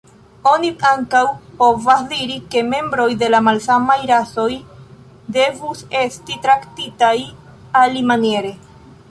Oni ankaŭ povas diri ke membroj de malsamaj rasoj devus esti traktitaj alimaniere.